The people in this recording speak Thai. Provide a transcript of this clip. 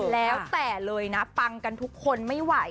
แล้วแต่เลยนะปังกันทุกคนไม่ไหว